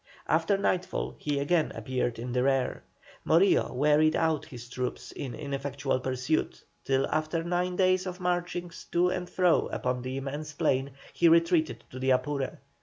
After nightfall he again appeared in the rear. Morillo wearied out his troops in ineffectual pursuit, till after nine days of marchings to and fro upon the immense plain, he retreated to the Apure.